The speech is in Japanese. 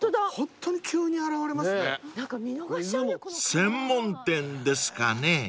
［専門店ですかね］